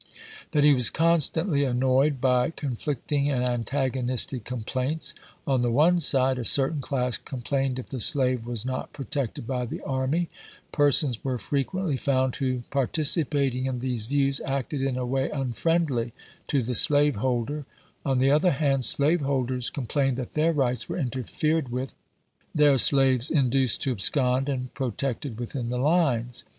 That he was constantly annoyed by con flicting and antagonistic complaints : on the one side, a certain class complained if the slave was not protected by the army — persons were frequently found who, par ticipating in these views, acted in a way unfriendly to the slaveholder; on the other hand, slaveholders com plained that their rights were interfered with, their slaves inducfid to abscond and protected within the lines.